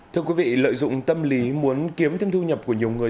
thưa quý vị lợi dụng tâm lý muốn kiếm thêm thu nhập của nhiều người